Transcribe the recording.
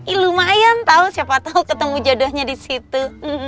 ih lumayan tau siapa tau ketemu jodohnya di situ